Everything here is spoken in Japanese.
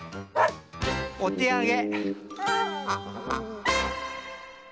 お手あげ！